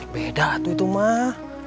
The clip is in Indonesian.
beda lah tuh itu mah